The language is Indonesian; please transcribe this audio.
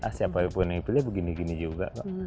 ah siapa pun yang dipilih begini gini juga kok